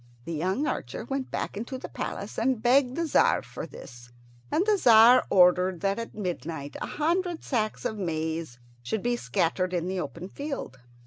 The young archer went back into the palace and begged the Tzar for this, and the Tzar ordered that at midnight a hundred sacks of maize should be scattered in the open field.